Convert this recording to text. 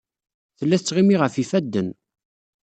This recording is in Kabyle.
Tella tettɣimi ɣef yifadden.